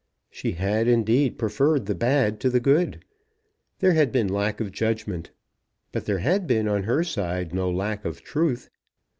She had, indeed, preferred the bad to the good. There had been lack of judgment. But there had been on her side no lack of truth.